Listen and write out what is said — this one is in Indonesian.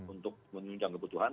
untuk menunjang kebutuhan